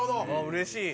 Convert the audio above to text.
うれしい。